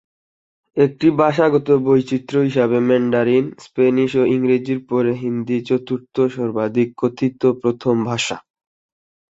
একটি ভাষাগত বৈচিত্র্য হিসাবে, ম্যান্ডারিন, স্প্যানিশ ও ইংরেজির পরে হিন্দি চতুর্থ সর্বাধিক কথিত প্রথম ভাষা।